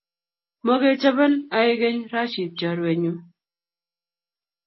Mokechobon aengeny Rashid chorwenyu.